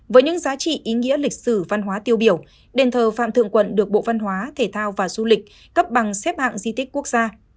với những giá trị ý nghĩa lịch sử văn hóa tiêu biểu đền thờ phạm thượng quận được bộ văn hóa thể thao và du lịch cấp bằng xếp hạng di tích quốc gia